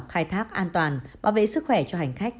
khai thác an toàn bảo vệ sức khỏe cho hành khách